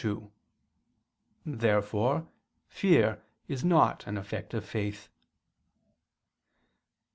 Therefore fear is not an effect of faith.